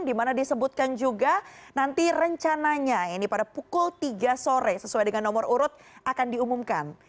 dimana disebutkan juga nanti rencananya ini pada pukul tiga sore sesuai dengan nomor urut akan diumumkan